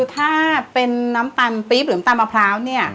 ถ้าเป็นน้ำตาลปี๊บหรือน้ำตำมะพร้าวเนี่ย